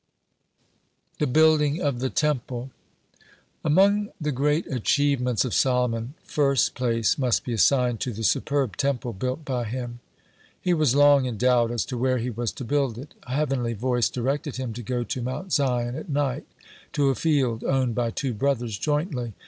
(56) THE BUILDING OF THE TEMPLE Among the great achievements of Solomon first place must be assigned to the superb Temple built by him. He was long in doubt as to where he was to build it. A heavenly voice directed him to go to Mount Zion at night, to a field owned by two brothers jointly.